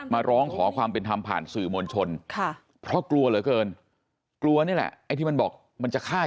มาร้องขอความเป็นทำผ่านสื่อมวลชนที่มันบอกมันจะฆ่า